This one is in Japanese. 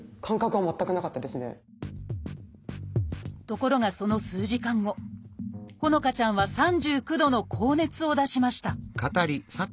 ところがその数時間後帆乃花ちゃんは３９度の高熱を出しました